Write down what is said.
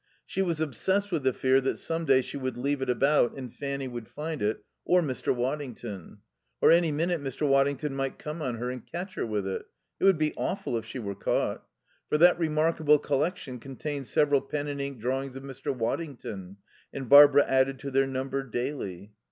She was obsessed with the fear that some day she would leave it about and Fanny would find it, or Mr. Waddington. Or any minute Mr. Waddington might come on her and catch her with it. It would be awful if she were caught. For that remarkable collection contained several pen and ink drawings of Mr. Waddington, and Barbara added to their number daily.